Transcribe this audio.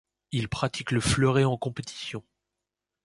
Il pratique le fleuret en compétition.